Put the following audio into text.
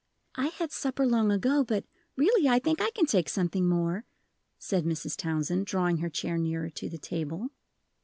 "I had supper long ago, but really I think I can take something more," said Mrs. Townsend, drawing her chair nearer to the table.